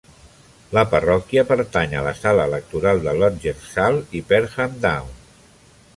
La parròquia pertany a la sala electoral de "Ludgershall i Perham Down".